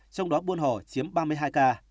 trong đó buôn hồ chiếm ba mươi hai ca